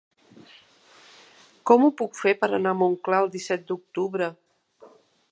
Com ho puc fer per anar a Montclar el disset d'octubre?